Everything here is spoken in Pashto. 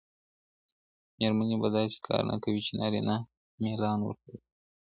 ميرمني به داسي کار نکوي، چي نارينه ميلان ورته وکړي.